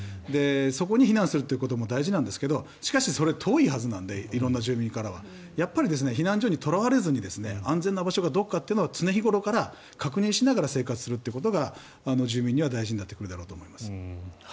そこに避難するということも大事なんですがしかし、それは遠いはずなので色んな住民からは。やっぱり避難所にとらわれずに安全な場所はどこかということを常日頃から確認しながら生活するということが住民にとっては大事になってくると思います。